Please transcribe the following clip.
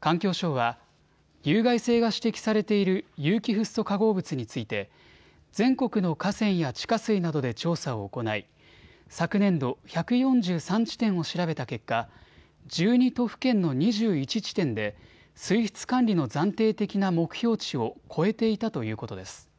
環境省は、有害性が指摘されている有機フッ素化合物について全国の河川や地下水などで調査を行い昨年度１４３地点を調べた結果１２都府県の２１地点で水質管理の暫定的な目標値を超えていたということです。